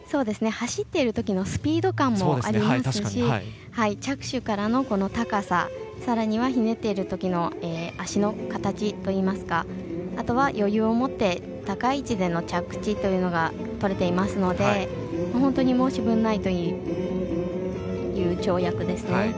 走っているときのスピード感もありますし着手からの高ささらにはひねっているときの足の形といいますかあとは余裕を持って高い位置での着地というのがとれていますので本当に申し分ないという跳躍です。